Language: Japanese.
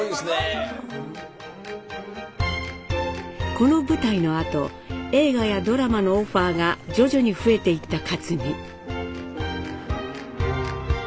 この舞台のあと映画やドラマのオファーが徐々に増えていった克実。